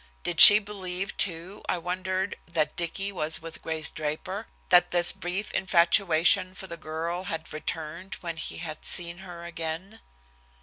Did she believe too, I wondered, that Dicky was with Grace Draper, that his brief infatuation for the girl had returned when he had seen her again?